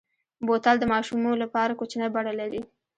بوتل د ماشومو لپاره کوچنۍ بڼه لري.